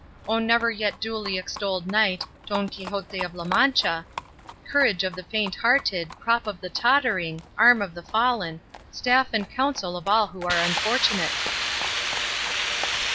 O never yet duly extolled knight, Don Quixote of La Mancha, courage of the faint hearted, prop of the tottering, arm of the fallen, staff and counsel of all who are unfortunate!"